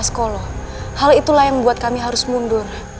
kalo kalo hal itulah yang membuat kami harus mundur